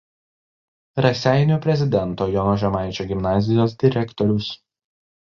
Raseinių Prezidento Jono Žemaičio gimnazijos direktorius.